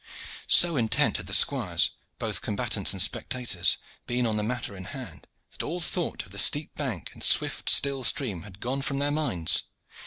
So intent had the squires, both combatants and spectators, been on the matter in hand, that all thought of the steep bank and swift still stream had gone from their minds.